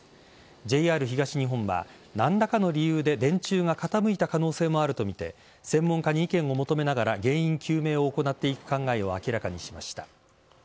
ＪＲ東日本は何らかの理由で電柱が傾いた可能性もあるとみて専門家に意見を求めながら原因究明を行っていく考えを明らかにしました。